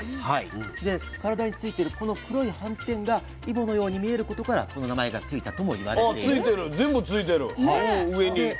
で体についてるこの黒い斑点がイボのように見えることからこの名前が付いたとも言われているんです。